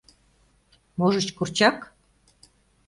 Можыч, курчак.